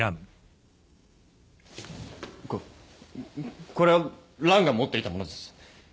ここれはランが持っていたものです。